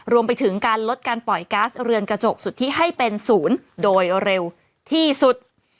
รวมไปถึงการลดการปล่อยก๊าซเรือนกระจกสุทธิให้เป็นศูนย์โดยเร็วที่สุด